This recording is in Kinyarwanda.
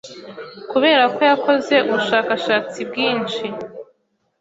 kubera ko yakoze ubushakashatsi bwinshi.